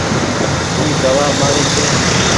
اي دوآ مآري ڇي۔